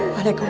maafin bapak mi